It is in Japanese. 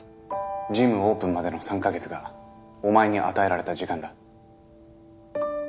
ジムオープンまでの３カ月がお前に与えられた時間だ。